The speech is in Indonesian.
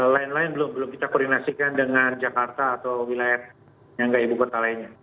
lain lain belum kita koordinasikan dengan jakarta atau wilayah yang nggak ibu kota lainnya